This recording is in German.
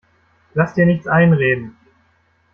Lass dir nichts einreden!